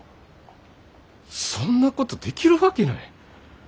そんなことできるわけない。